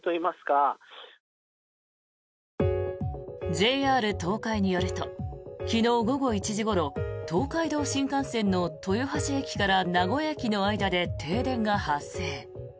ＪＲ東海によると昨日午後１時ごろ東海道新幹線の豊橋駅から名古屋駅の間で停電が発生。